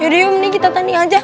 yaudah yuk kita tanding aja